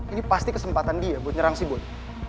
ini pasti kesempatan dia buat nyerang si boy